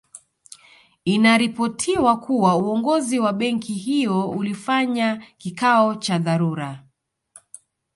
Inaripotiwa kuwa uongozi wa benki hiyo ulifanya kikao cha dharura